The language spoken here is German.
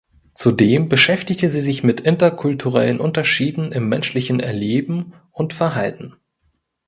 Zudem beschäftigte sie sich mit interkulturellen Unterschieden im menschlichen Erleben und Verhalten.